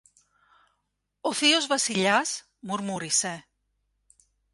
Ο θείος Βασιλιάς, μουρμούρισε.